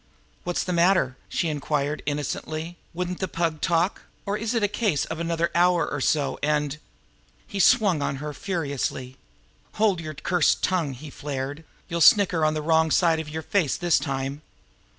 "What's the matter?" she inquired innocently. "Wouldn't the Pug talk, or is it a case of 'another hour or so,' and " He swung on her furiously. "Hold your cursed tongue!" he flared. "You'll snicker on the wrong side of your face this time!"